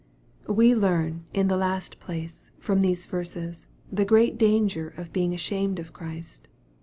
We learn, in the last place, from these verses, the great danger of being ashamed of Christ.